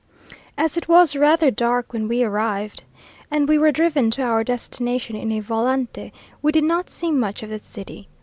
As it was rather dark when we arrived, and we were driven to our destination in a volante, we did not see much of the city.